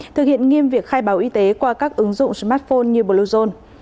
thực hiện nghiêm việc khai báo y tế qua các ứng dụng smartphone như bluezone